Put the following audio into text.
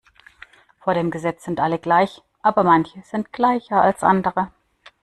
Vor dem Gesetz sind alle gleich, aber manche sind gleicher als andere.